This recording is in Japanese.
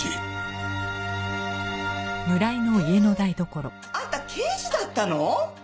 へえあんた刑事だったの？